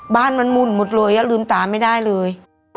บ้านมันหมุนหมดเลยลืมตาไม่ได้เลย